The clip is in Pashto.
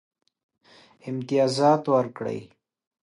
امتیازات ورکړي.